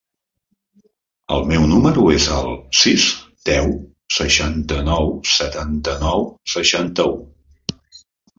El meu número es el sis, deu, seixanta-nou, setanta-nou, seixanta-u.